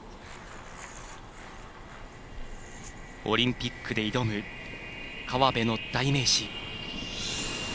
オリンピックで挑む河辺の代名詞。